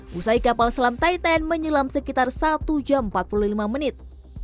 busai kapal selam titan menyelam sekitar satu jam empat puluh lima menit